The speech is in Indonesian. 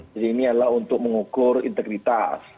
jadi ini adalah untuk mengukur integritas